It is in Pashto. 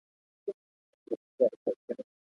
هغوی د دې خاورې لپاره ډېرې قربانۍ ورکړي دي.